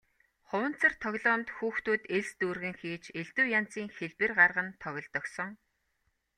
Хуванцар тоглоомд хүүхдүүд элс дүүргэн хийж элдэв янзын хэлбэр гарган тоглодог сон.